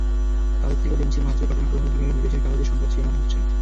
তাঁদের থেকেও জেনেছি মার্চের ঘটনাপ্রবাহ কীভাবে বিদেশের কাগজে সংবাদ শিরোনাম হচ্ছে।